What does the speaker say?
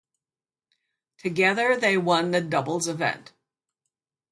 Together, they won the doubles event.